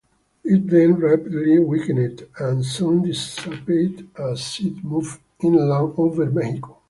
It then rapidly weakened and soon dissipated as it moved inland over Mexico.